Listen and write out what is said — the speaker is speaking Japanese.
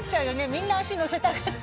みんな足乗せたがって。